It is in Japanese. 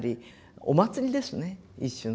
お祭りですね一種の。